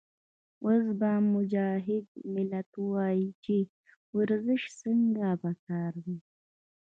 اوس به مجاهد ملت وائي چې ورزش څنګه پکار دے